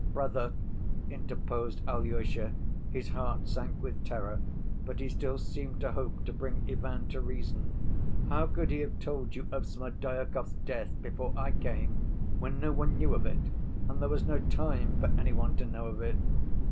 "Brother," interposed Alyosha—his heart sank with terror, but he still seemed to hope to bring Ivan to reason—"how could he have told you of Smerdyakov's death before I came, when no one knew of it and there was no time for any one to know of it?"